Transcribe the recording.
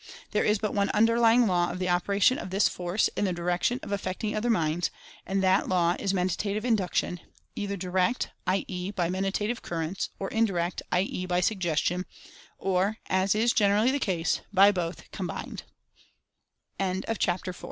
There is but one underlying law of the operation of this Force in the direction of affecting other minds, and that Law is Mentative In duction, either direct, i. e., by Mentative Currents; or indirect, i. e., by Suggestion; or (as is generally the case) by both combined.